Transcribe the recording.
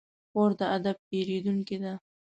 خور د ادب پېرودونکې ده.